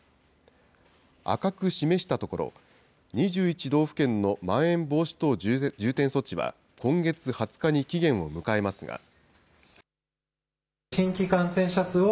赤く示した所、２１道府県のまん延防止等重点措置は今月２０日に期限を迎えますが。